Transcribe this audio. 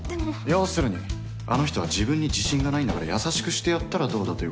要するにあの人は自分に自信がないんだから優しくしてやったらどうだということですか？